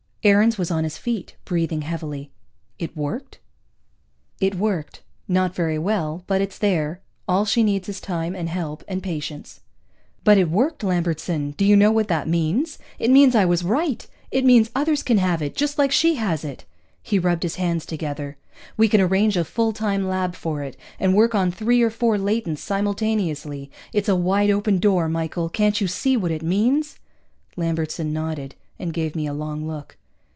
Aarons was on his feet, breathing heavily. "It worked?" "It worked. Not very well, but it's there. All she needs is time, and help, and patience." "But it worked! Lambertson! Do you know what that means? It means I was right! It means others can have it, just like she has it!" He rubbed his hands together. "We can arrange a full time lab for it, and work on three or four latents simultaneously. It's a wide open door, Michael! Can't you see what it means?" Lambertson nodded, and gave me a long look.